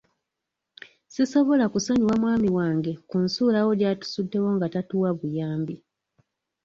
Sisobola kusonyiwa mwami wange ku nsuulawo gy'atusuddewo nga tatuwa buyambi.